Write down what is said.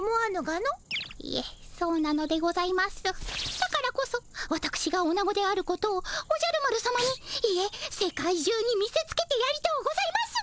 だからこそわたくしがオナゴであることをおじゃる丸さまにいえ世界中に見せつけてやりとうございます。